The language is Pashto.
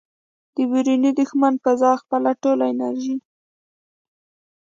د بیروني دښمن په ځای خپله ټوله انرژي